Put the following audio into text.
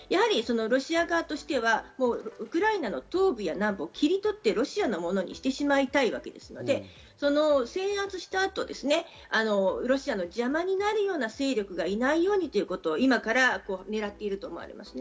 ロシア側としてはウクライナの東部や南部を切り取ってロシアのものにしてしまいたいわけですので、制圧した後、ロシアの邪魔になるような勢力がいないようにということを今から狙っていると思います。